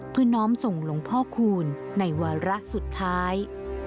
น้อมส่งหลวงพ่อคูณในวาระสุดท้าย